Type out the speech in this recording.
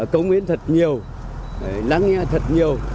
công hiến thật nhiều lắng nghe thật nhiều